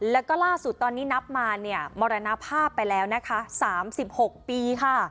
แล้วก็ล่าสุดตอนนี้นับมาเนี่ยมรณภาพไปแล้วนะคะ๓๖ปีค่ะ